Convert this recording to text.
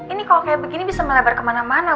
ini kalau kayak begini bisa melebar kemana mana